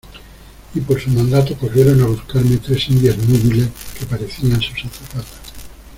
y por su mandato corrieron a buscarme tres indias núbiles que parecían sus azafatas.